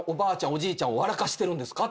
おじいちゃん笑かしてんですか」